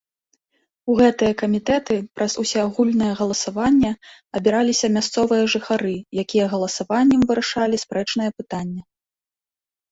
У гэтыя камітэты праз усеагульнае галасаванне абіраліся мясцовыя жыхары, якія галасаваннем вырашалі спрэчнае пытанне.